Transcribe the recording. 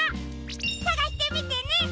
さがしてみてね！